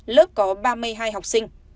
lớp có ba mươi hai học sinh